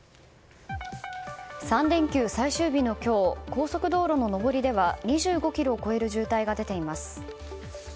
３連休最終日の今日高速道路の上りでは２５ｋｍを超える渋滞が出ています。